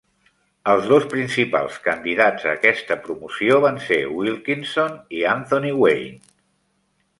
Els dos principals candidats a aquesta promoció van ser Wilkinson i Anthony Wayne.